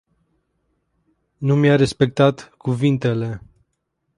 Nu mi-a respectat cuvintele.